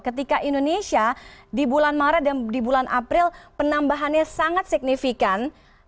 ketika indonesia di bulan maret dan di bulan april penambahannya sangat signifikan